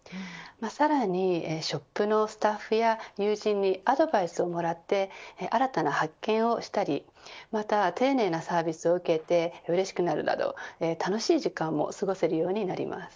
さらにショップのスタッフや友人にアドバイスをもらって新たな発見をしたりまた丁寧なサービスを受けてうれしくなるなど楽しい時間も過ごせるようになります。